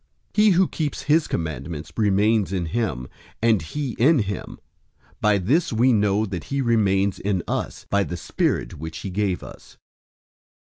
003:024 He who keeps his commandments remains in him, and he in him. By this we know that he remains in us, by the Spirit which he gave us.